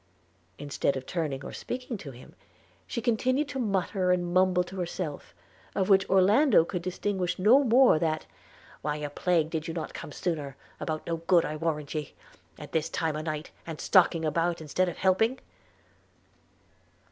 – Instead of turning or speaking to him, she continued to mutter and mumble to herself, of which Orlando could distinguish no more that, 'Why a plague did not you come sooner? about no good, I warrant ye ... at this time o'night! and stalking about instead of helping